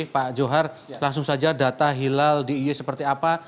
pak johar langsung saja data hilal di i seperti apa